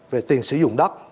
về tiền sử dụng đất